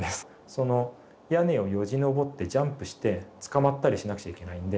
屋根をよじ登ってジャンプしてつかまったりしなくちゃいけないので。